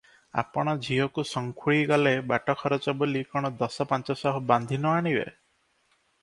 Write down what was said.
ଆପଣ ଝିଅକୁ ସଙ୍ଖୁଳି ଗଲେ ବାଟଖରଚ ବୋଲି କଣ ଦସ ପାଞ୍ଚଶହ ବାନ୍ଧି ନ ଆଣିବେ?"